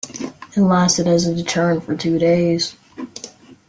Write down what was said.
It lasted as a deterrent for two days.